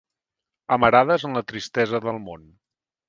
Amarades en la tristesa del món